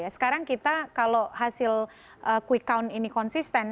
sekarang kita kalau hasil quick count ini konsisten